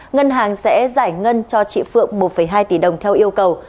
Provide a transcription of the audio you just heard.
ngân hàng sẽ giải ngân cho chị phượng một hai tỷ đồng theo yêu cầu